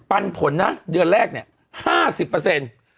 ปันผลนะเดือนแรกเนี่ย